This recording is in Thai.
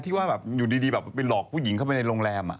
ที่ว่าอยู่ดีไปหลอกผู้หญิงเข้าไปในโรงแรม